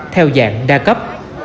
theo dạng đa cấp